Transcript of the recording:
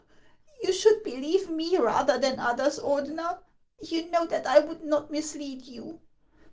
You should believe me rather than others, Ordener; you know that I would not mislead you.